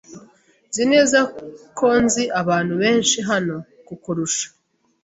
Nzi neza ko nzi abantu benshi hano kukurusha.